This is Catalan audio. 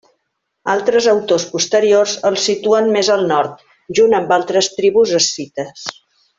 Altres autors posteriors els situen més al nord junt amb altres tribus escites.